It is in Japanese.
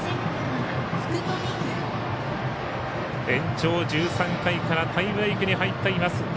延長１３回からタイブレークに入っています。